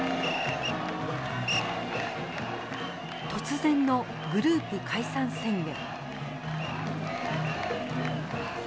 突然のグループ解散宣言。